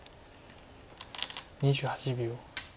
２８秒。